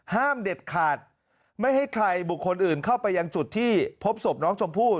ห้ามเด็ดขาดไม่ให้ใครบุคคลอื่นเข้าไปยังจุดที่พบศพน้องชมพู่